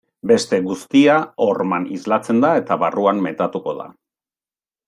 Beste guztia horman islatzen da eta barruan metatuko da.